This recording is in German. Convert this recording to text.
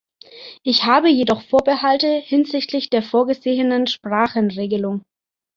Ich habe jedoch Vorbehalte hinsichtlich der vorgesehenen Sprachenregelung.